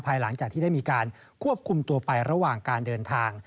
หลังจากที่ได้มีการควบคุมตัวไประหว่างการเดินทาง